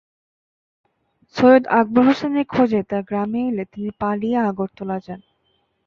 সেনারা সৈয়দ আকবর হোসেনের খোঁজে তাঁর গ্রামে এলে তিনি পালিয়ে আগরতলা যান।